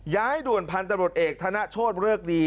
ด่วนพันธุ์ตำรวจเอกธนโชธเริกดี